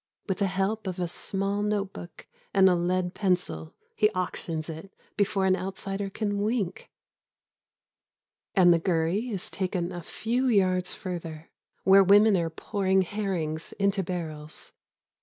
With the help of a small notebook and a lead pencil he auctions it before an outsider can wink, and the gurry is taken a few yards further, where women are pouring herrings into barrels.